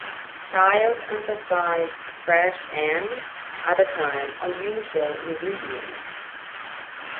Child emphasized fresh and, at the time, unusual ingredients.